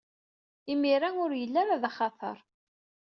Imir-a, ur yelli ara d axatar.